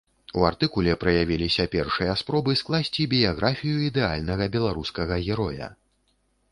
У артыкуле праявіліся першыя спробы скласці біяграфію ідэальнага беларускага героя.